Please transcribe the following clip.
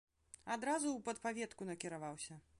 Адразу ў падпаветку накіраваўся.